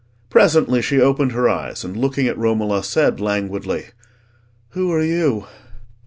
Presently she opened her eyes, and, looking at Romola, said languidly— "Who are you?"